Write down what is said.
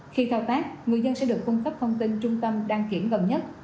khi thao tác người dân sẽ được cung cấp thông tin trung tâm đăng kiểm gần nhất